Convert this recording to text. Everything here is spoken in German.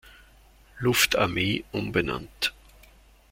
Luftarmee" umbenannt.